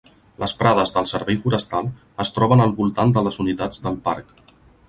Les prades del Servei Forestal es troben al voltant de les unitats del parc.